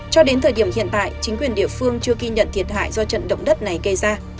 cho đến thời điểm hiện tại chính quyền địa phương chưa ghi nhận thiệt hại do trận động đất này gây ra